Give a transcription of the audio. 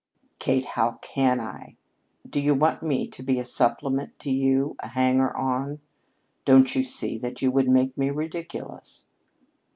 "Kate! How can I? Do you want me to be a supplement to you a hanger on? Don't you see that you would make me ridiculous?"